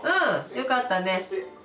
よかったね。